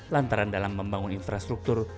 lantaran dalam membangun infrastruktur